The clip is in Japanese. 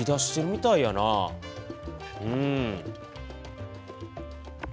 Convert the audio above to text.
うん。